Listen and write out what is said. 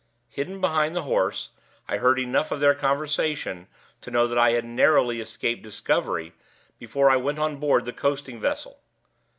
Hidden behind the horse, I heard enough of their conversation to know that I had narrowly escaped discovery before I went on board the coasting vessel.